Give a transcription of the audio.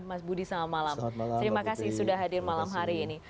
mas budi selamat malam terima kasih sudah hadir malam hari ini